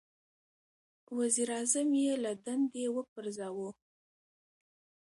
• وزیر اعظم یې له دندې وپرځاوه.